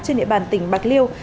trên địa bàn tỉnh bạc liêu